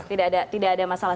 tidak ada tidak ada masalah